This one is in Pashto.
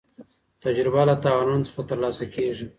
تجربه له تاوانونو څخه ترلاسه کېږي.